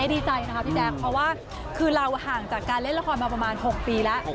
ดีใจนะคะพี่แจ๊คเพราะว่าคือเราห่างจากการเล่นละครมาประมาณ๖ปีแล้ว